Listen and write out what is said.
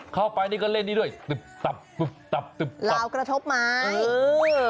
เข้าไปแล้วก็เล่นนี้ด้วยตุ๊บตับราวกระทบไม้